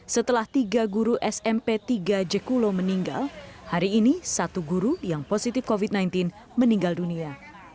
setelah tiga guru smp tiga jekulo meninggal hari ini satu guru yang positif covid sembilan belas meninggal dunia